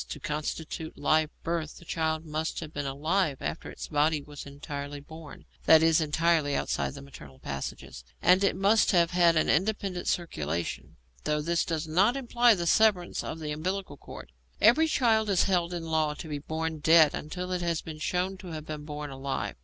To constitute 'live birth,' the child must have been alive after its body was entirely born that is, entirely outside the maternal passages and it must have had an independent circulation, though this does not imply the severance of the umbilical cord. Every child is held in law to be born dead until it has been shown to have been born alive.